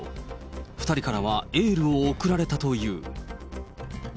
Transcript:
２人からはエールを送られたという。